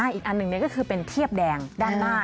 อันหนึ่งนี่เป็นเทียบแดงด้านหน้า